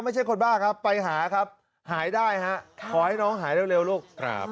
ไม่ใช่คนบ้าครับไปหาครับหายได้ฮะขอให้น้องหายเร็วลูก